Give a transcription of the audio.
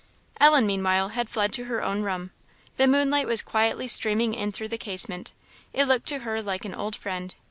Ellen, meanwhile, had fled to her own room. The moonlight was quietly streaming in through the casement; it looked to her like an old friend.